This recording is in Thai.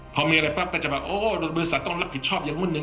พอมีอะไรปั๊บก็จะแบบโอ้บริษัทต้องรับผิดชอบอย่างมึนนึ